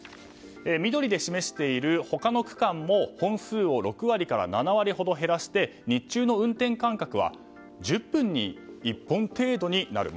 緑で示している他の区間も本数を６割から７割ほど減らして日中の運転間隔が１０分に１本程度になると。